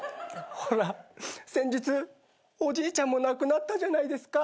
ほら先日おじいちゃんも亡くなったじゃないですか。